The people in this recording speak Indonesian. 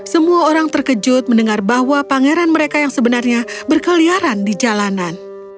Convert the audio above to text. semua orang terkejut mendengar bahwa pangeran mereka yang sebenarnya berkeliaran di jalanan